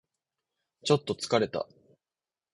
ちょっと疲れた